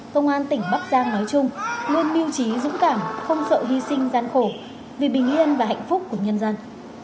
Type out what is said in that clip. công an tỉnh bắc giang nói chung luôn miêu trí dũng cảm không sợ hy sinh gian khổ vì bình yên và hạnh phúc của nhân dân